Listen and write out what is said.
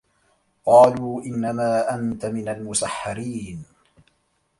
قالوا إِنَّما أَنتَ مِنَ المُسَحَّرينَ